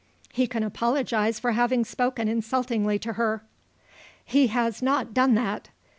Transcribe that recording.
"He can apologise for having spoken insultingly to her." "He has not done that.